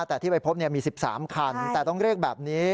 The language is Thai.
แต่ที่ไปพบเนี่ยมีสิบสามคันใช่แต่ต้องเรียกแบบนี้